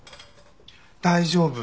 大丈夫。